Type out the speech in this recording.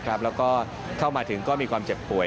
เข้ามาถึงเราก็มีความเจ็บข่วย